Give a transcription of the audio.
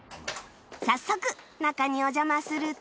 早速中にお邪魔すると